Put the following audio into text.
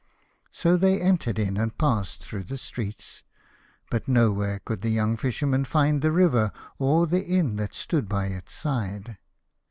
So they entered in and passed through the streets, but nowhere could the young Fisher man find the river or the inn that stood by its side.